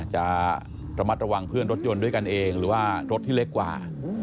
จะระมัดระวังเพื่อนรถยนต์ด้วยกันเองหรือว่ารถที่เล็กกว่า